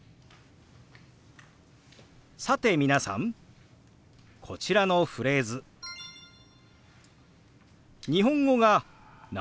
さて皆さんこちらのフレーズ日本語が「何人家族なの？」